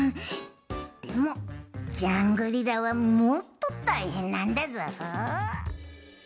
でもジャングリラはもっとたいへんなんだぞ。